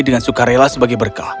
dengan sukarela sebagai berkah